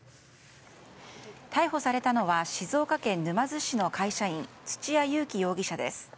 逮捕されたのは静岡県沼津市の会社員土屋勇貴容疑者です。